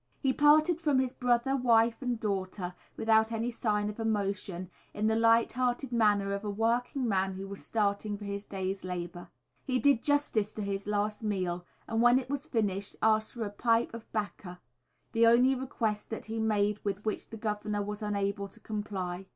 He parted from his brother, wife, and daughter without any sign of emotion, in the light hearted manner of a working man who was starting for his day's labour. He did justice to his last meal, and when it was finished asked for a "pipe of bacca," the only request that he made with which the Governor was unable to comply.